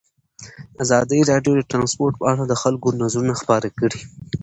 ازادي راډیو د ترانسپورټ په اړه د خلکو نظرونه خپاره کړي.